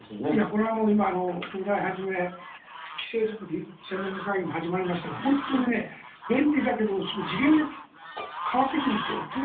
これは今、東大をはじめ規制作り専門家会議も始まりましたが本当に便利だけどすぐに次元が変わっていくんですよ。